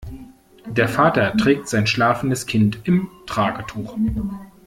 Der Vater trägt sein schlafendes Kind im Tragetuch.